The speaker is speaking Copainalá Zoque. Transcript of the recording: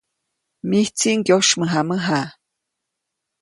Mijtsi ŋyosymäjamäja.